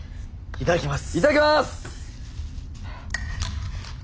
いただきます！